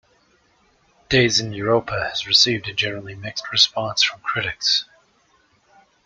"Days in Europa" has received a generally mixed response from critics.